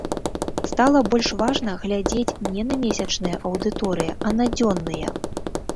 Стала больш важна глядзець не на месячныя аўдыторыі, а на дзённыя.